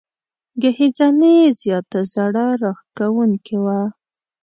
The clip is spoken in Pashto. ګهیځنۍ یې زياته زړه راښکونکې وه.